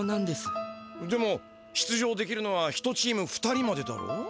でも出場できるのは１チーム２人までだろ？